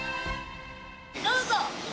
どうぞ。